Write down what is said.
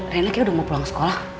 reina kayak udah mau pulang ke sekolah